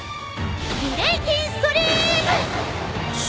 ブレイキンストリーム！